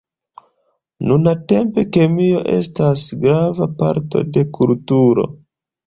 Nuntempe kemio estas grava parto de kulturo.